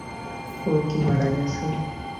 ও কি মারা গেছে?